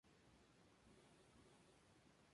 Sólo el cuerpo del niño fue recuperado.